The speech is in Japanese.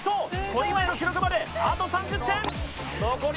小祝の記録まであと３０点。